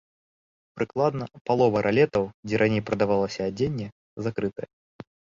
Прыкладна палова ралетаў, дзе раней прадавалася адзенне, закрытая.